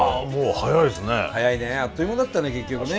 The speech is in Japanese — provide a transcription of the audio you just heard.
早いねあっという間だったね結局ね。